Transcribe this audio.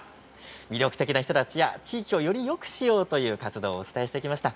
魅力的な人たちが地域をよりよくしようという人たちの活動をお伝えしてきました。